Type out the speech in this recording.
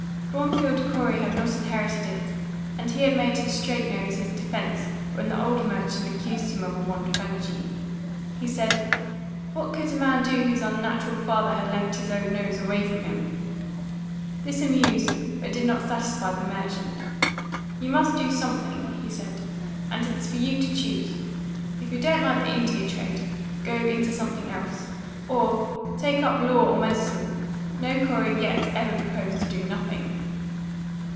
Bromfield Corey had not inherited it, and he had made his straight nose his defence when the old merchant accused him of a want of energy. He said, "What could a man do whose unnatural father had left his own nose away from him?" This amused but did not satisfy the merchant. "You must do something," he said; "and it's for you to choose. If you don't like the India trade, go into something else. Or, take up law or medicine. No Corey yet ever proposed to do nothing."